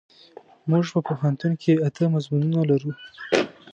مونږ په پوهنتون کې اته مضمونونه لرو.